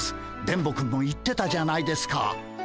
電ボくんも言ってたじゃないですか。